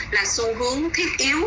là xu hướng thiết yếu